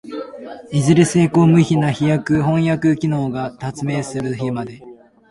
いずれ精巧無比な飜訳機械が発明される日まで、